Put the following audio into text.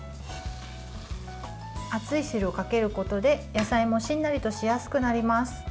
熱い汁をかけることで、野菜もしんなりとしやすくなります。